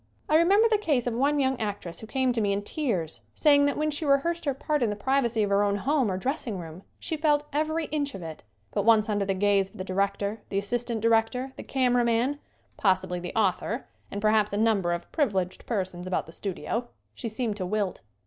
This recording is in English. I remember the case of one young actress who came to me in tears saying that when she rehearsed her part in the privacy of her own home, or dressing room, she felt every inch of it, but once under the gaze of the director, the assistant director, the cameraman, possibly the author and perhaps a number of privileged persons about the studio, she seemed to wilt.